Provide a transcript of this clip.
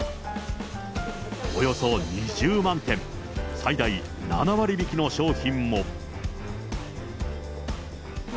およそ２０万点、最大７割引きの商品も。